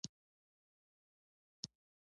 آیا موږ د راتلونکي لپاره چمتو یو؟